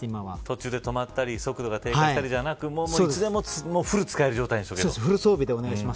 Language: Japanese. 途中で止まったり速度が低下したりじゃなくいつでもフルに使えるようにしたい。